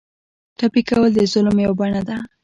ټپي کول د ظلم یوه بڼه ده.